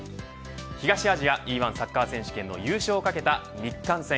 東アジアＥ‐１サッカー選手権の優勝をかけた日韓戦。